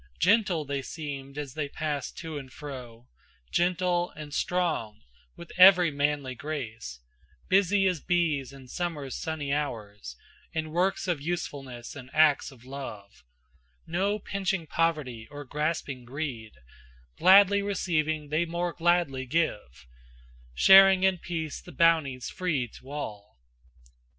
Gentle they seemed as they passed to and fro, Gentle and strong, with every manly grace; Busy as bees in summer's sunny hours, In works of usefulness and acts of love; No pinching poverty or grasping greed, Gladly receiving, they more gladly give, Sharing in peace the bounties free to all.